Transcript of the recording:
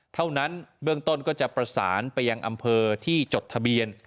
เท่านั้นเบื้องต้นก็จะประสานไปยังอำเภอที่จดทะเบียน